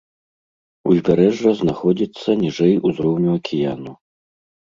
Узбярэжжа знаходзіцца ніжэй узроўню акіяну.